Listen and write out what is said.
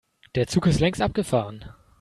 Der Zug ist längst abgefahren.